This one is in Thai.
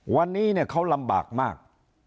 วันนี้เขาลำบากมาก